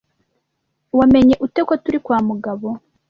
Wamenye ute ko turi kwa Mugabo?